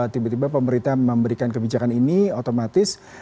tiba tiba pemerintah memberikan kebijakan ini otomatis